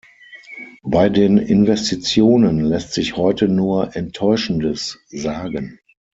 Bei den Investitionen lässt sich heute nur Enttäuschendes sagen.